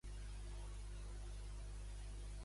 Si és humà, és hackejable.